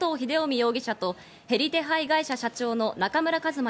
容疑者と、ヘリ手配会社の社長・中村和真